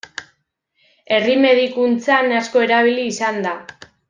Herri medikuntzan asko erabili izan da.